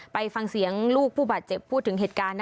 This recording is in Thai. ไปฟังเสียงลูกผู้บาดเจ็บพูดถึงเหตุการณ์